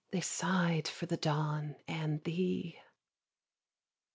They sigh'd for the dawn and thee.